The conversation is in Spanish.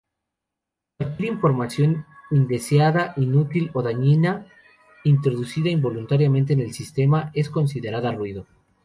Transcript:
Cualquier información indeseada, inútil o dañina, introducida involuntariamente en el sistema, es considerada ruido.